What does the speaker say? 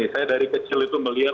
saya dari kecil itu melihat